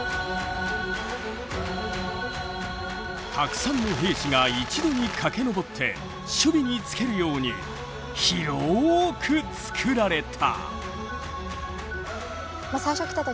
たくさんの兵士が一度に駆け上って守備につけるようにひろくつくられた。